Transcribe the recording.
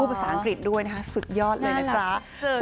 ภาษาอังกฤษด้วยนะคะสุดยอดเลยนะจ๊ะ